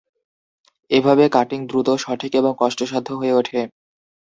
এভাবে কাটিং দ্রুত, সঠিক এবং কষ্টসাধ্য হয়ে ওঠে।